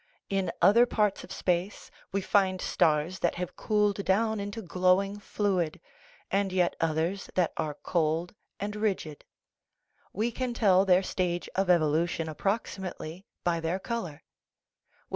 In other parts of space we find stars that have cooled down into glowing fluid, and yet others that are cold and rigid ; we can tell their stage of evolution approximately by their color.